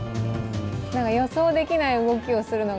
予想できない動きをするのが。